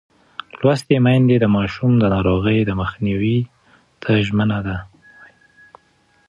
لوستې میندې د ماشوم د ناروغۍ مخنیوي ته ژمنه ده.